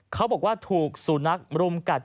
เขาบอกว่าถูกสุนัขรุมกัด